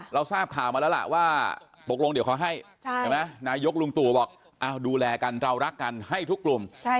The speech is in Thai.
เราทราบข่าวมาแล้วล่ะว่าตกลงเดี๋ยวเขาให้นายกลุงตู่บอกดูแลกันเรารักกันให้ทุกกลุ่ม